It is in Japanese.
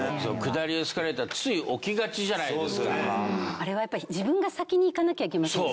あれはやっぱり自分が先に行かなきゃいけませんよね。